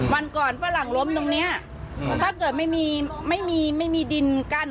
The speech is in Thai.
วันก่อนฝรั่งล้มตรงเนี้ยถ้าเกิดไม่มีไม่มีดินกั้น